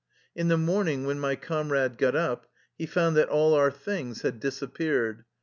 In the morning when my comrade got up he found that all our things had disappeared.